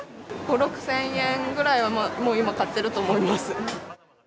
５、６０００円くらいは、もう今、買ってると思います。